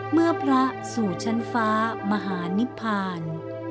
เมื่อพระสู่ชั้นฟ้ามหานิพพาน